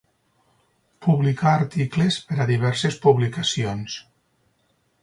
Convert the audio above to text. Publicà articles per a diverses publicacions.